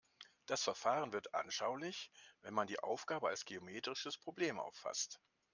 Das Verfahren wird anschaulich, wenn man die Aufgabe als geometrisches Problem auffasst.